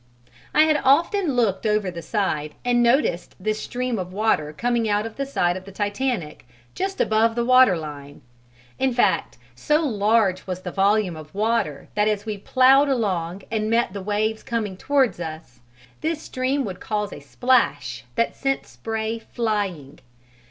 I had often looked over the side and noticed this stream of water coming out of the side of the Titanic just above the water line: in fact so large was the volume of water that as we ploughed along and met the waves coming towards us, this stream would cause a splash that sent spray flying.